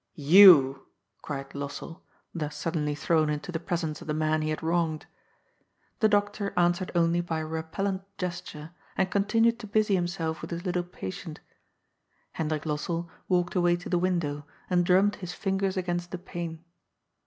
"You!" cried Lossell, thus suddenly thrown into the presence of the man he had wronged. The doctor answered only by a repellent gesture, and continued to busy himself with his little patient. Hendrik Lossell walked away to the window and drummed his fin gers against the pane.